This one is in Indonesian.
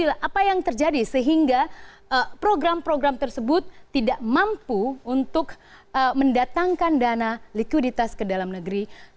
apa yang terjadi sehingga program program tersebut tidak mampu untuk mendatangkan dana likuiditas ke dalam negeri